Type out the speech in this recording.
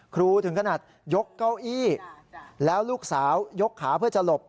ถึงขนาดยกเก้าอี้แล้วลูกสาวยกขาเพื่อจะหลบ